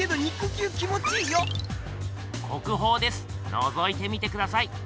のぞいてみてください。